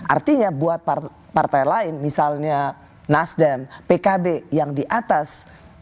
artinya buat partai lain misalnya nasdem pkb yang di atas